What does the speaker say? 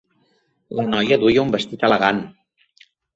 La noia duia un vestit elegant.